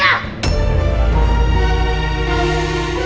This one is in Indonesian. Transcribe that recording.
aku benci sama dia